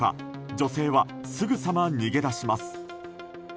女性はすぐさま逃げ出します。